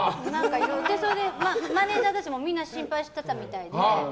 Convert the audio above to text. それで、マネジャーたちもみんな心配してたみたいで。